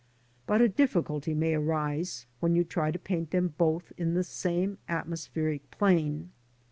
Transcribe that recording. But a difficulty may arise when you try to paint them both in the same atmospheric plane.